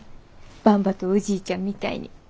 ばんばとおじいちゃんみたいに。